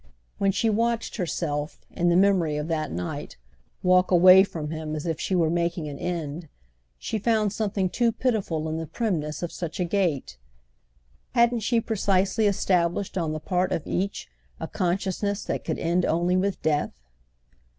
When she watched herself, in the memory of that night, walk away from him as if she were making an end, she found something too pitiful in the primness of such a gait. Hadn't she precisely established on the part of each a consciousness that could end only with death?